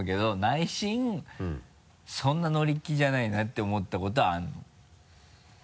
内心そんな乗り気じゃないなって思ったことはあるの？